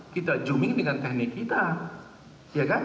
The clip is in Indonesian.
kita zooming dengan teknik kita